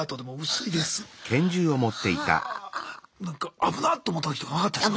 危なって思ったときとかなかったですか？